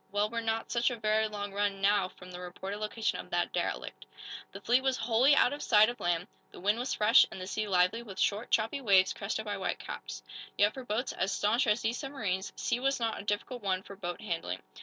"Well, we're not such a very long run, now, from the reported location of that derelict." The fleet was wholly out of sight of land. The wind was fresh and the sea lively with short, choppy waves, crested by white caps. Yet, for boats as staunch as these submarines, sea was not a difficult one for boat handling.